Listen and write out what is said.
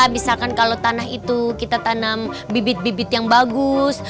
misalkan kalau tanah itu kita tanam bibit bibit yang bagus